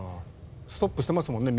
ストップしてますもんね。